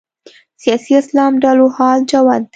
سیاسي اسلام ډلو حال جوت دی